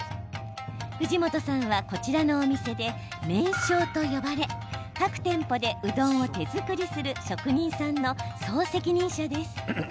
藤本さんは、こちらのお店で麺匠と呼ばれ各店舗でうどんを手作りする職人さんの総責任者です。